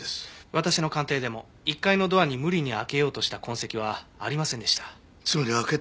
私の鑑定でも１階のドアに無理に開けようとした痕跡はありませんでした。